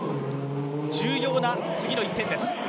重要な次の１点です。